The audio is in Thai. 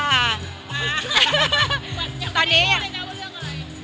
อ๊ะยังไม่รู้ได้ว่าเรื่องอะไร